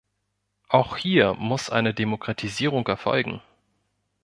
Auch hier muss eine Demokratisierung erfolgen!